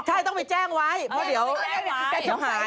ใช่ต้องไปแจ้งไว้เพราะเดี๋ยวหาย